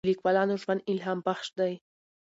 د لیکوالانو ژوند الهام بخش دی.